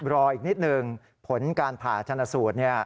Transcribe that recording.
รออีกนิดหนึ่งผลการผ่าชนสูตร